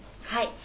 はい。